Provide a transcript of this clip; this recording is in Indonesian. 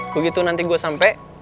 begitu nanti gue sampe